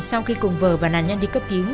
sau khi cùng vợ và nạn nhân đi cấp cứu